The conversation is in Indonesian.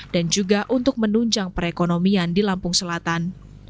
dan juga untuk menunjang perekonomian di lampung selatan